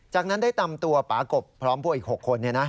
จากนั้นได้นำตัวป่ากบพร้อมพวกอีก๖คน